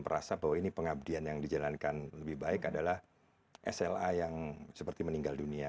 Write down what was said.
merasa bahwa ini pengabdian yang dijalankan lebih baik adalah sla yang seperti meninggal dunia